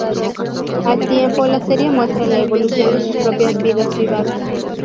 Al tiempo la serie muestra la evolución de sus propias vidas privadas.